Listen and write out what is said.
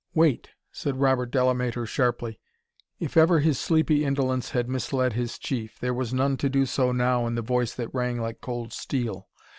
"Wait!" said Robert Delamater, sharply. If ever his sleepy indolence had misled his Chief, there was none to do so now in the voice that rang like cold steel.